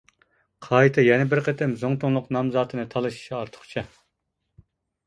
قايتا يەنە بىر قېتىم زۇڭتۇڭلۇق نامزاتىنى تالىشىشى ئارتۇقچە.